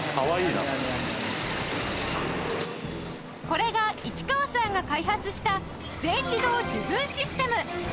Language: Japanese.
これが市川さんが開発した全自動受粉システム